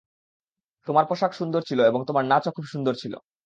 তোমার পোষাক সুন্দর ছিল, এবং তোমার নাচও খুব সুন্দর ছিল।